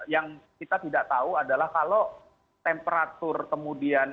yang kita tidak tahu adalah kalau temperatur kemudian